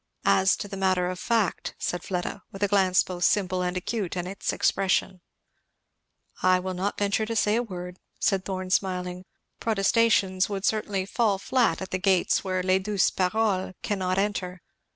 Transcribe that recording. "As to the matter of fact," said Fleda, with a glance both simple and acute in its expression. "I will not venture to say a word," said Thorn smiling. "Protestations would certainly fall flat at the gates where les douces paroles cannot enter.